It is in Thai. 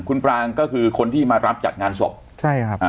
คุณปรางก็คือคนที่มารับจัดงานศพใช่ครับอ่า